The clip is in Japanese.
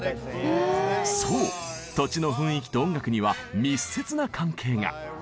そう土地の雰囲気と音楽には密接な関係が。